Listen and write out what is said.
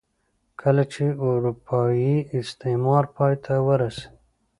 کله چې اروپايي استعمار پای ته ورسېد.